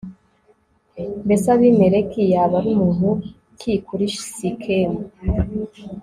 mbese abimeleki yaba ari muntu ki kuri sikemu